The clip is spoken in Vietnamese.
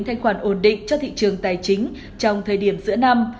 thanh khoản ổn định cho thị trường tài chính trong thời điểm giữa năm